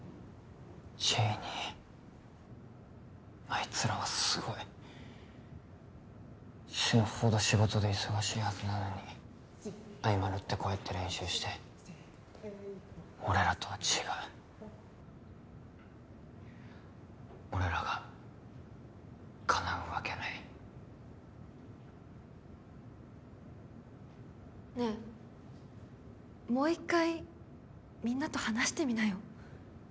あいつらはすごい死ぬほど仕事で忙しいはずなのに合間縫ってこうやって練習して俺らとは違う俺らがかなうわけないねえもう一回みんなと話してみなよ